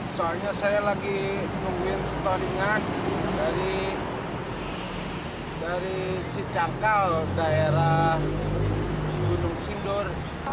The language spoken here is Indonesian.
soalnya saya lagi nungguin setahun ingat dari cicangkal daerah gunung sindur